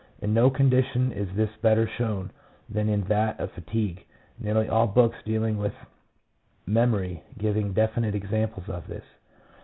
In no condition is this better shown than in that of fatigue, nearly all books dealing with memory giving definite examples of this.